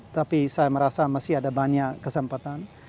tapi saya merasa masih ada banyak kesempatan